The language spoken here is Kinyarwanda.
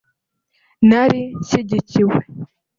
”Nari nshyigikiwe